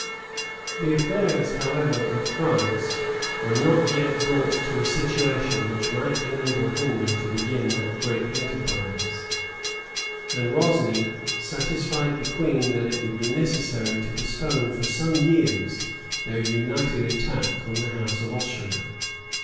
The affairs, however, of France were not yet brought to a situation which might enable Henry to begin that great enterprise; and Rosni satisfied the queen that it would be necessary to postpone for some years their united attack on the house of Austria.